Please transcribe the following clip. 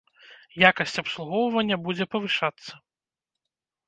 Якасць абслугоўвання будзе павышацца.